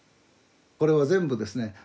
これは全部ですね